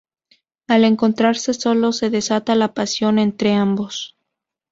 Al encontrarse solos, se desata la pasión entre ambos.